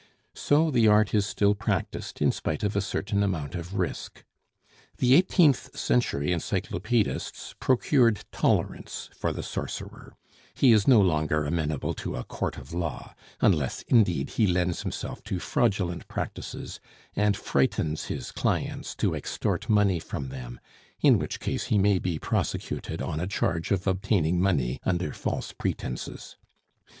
So the art is still practised in spite of a certain amount of risk. The eighteenth century encyclopaedists procured tolerance for the sorcerer; he is no longer amenable to a court of law, unless, indeed, he lends himself to fraudulent practices, and frightens his "clients" to extort money from them, in which case he may be prosecuted on a charge of obtaining money under false pretences.